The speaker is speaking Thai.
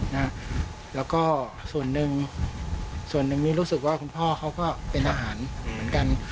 แล้วก็ส่วนหนึ่งส่วนหนึ่งนี้รู้สึกว่าคุณพ่อเขาก็เป็นอาหารเหมือนกัน